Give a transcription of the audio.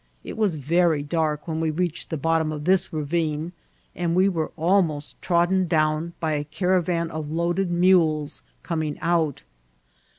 It was very dark when we reached the bottom of this ravine, and we were almost trodden down by a caravan of loaded mules coming out.